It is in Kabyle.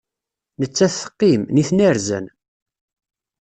Nettat teqqim, nitni rzan.